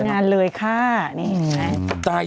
ขอแต่งงานเลยค่ะนี่เห็นมั้ย